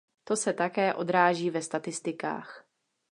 To se také odráží ve statistikách.